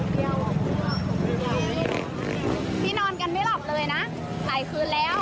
พี่นอนกันไม่หลับพี่นอนกันไม่หลับเลยนะหลายคืนแล้ว